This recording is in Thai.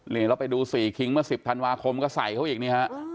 นี่แล้วไปดู๔คิงเมื่อ๑๐ธันวาคมก็ใส่เขาอีกนี่ฮะ